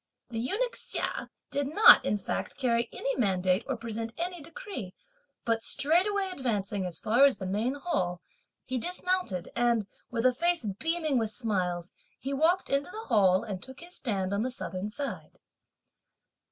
The eunuch Hsia did not, in fact, carry any mandate or present any decree; but straightway advancing as far as the main hall, he dismounted, and, with a face beaming with smiles, he walked into the Hall and took his stand on the southern side.